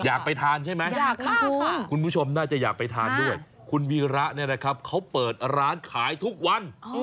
อยากไปทานใช่ไหมอยากทานคุณผู้ชมน่าจะอยากไปทานด้วยคุณวีระเนี่ยนะครับเขาเปิดร้านขายทุกวัน